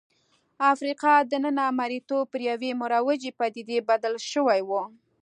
د افریقا دننه مریتوب پر یوې مروجې پدیدې بدل شوی و.